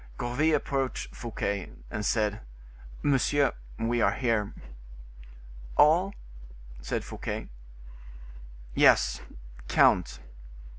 Gourville approached Fouquet, and said: "Monsieur, we are here." "All?" said Fouquet. "Yes,—count."